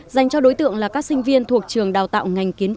dành cho đối tượng là các sinh viên thuộc trường đào tạo ngành kiến trúc